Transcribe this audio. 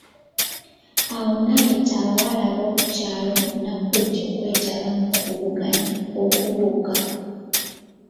Awo ate n'ayita abawala b'okukyalo bonna okujja okwetaba mu kuvuganya okw'okubuuka.